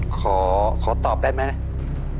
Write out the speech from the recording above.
ขอตอบได้ไหมนะ